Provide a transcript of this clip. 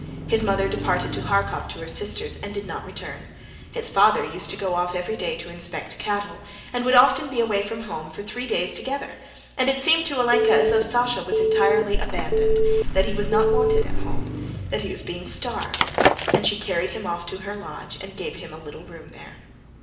His mother departed to Harkov to her sister's and did not return; his father used to go off every day to inspect cattle, and would often be away from home for three days together, and it seemed to Olenka as though Sasha was entirely abandoned, that he was not wanted at home, that he was being starved, and she carried him off to her lodge and gave him a little room there.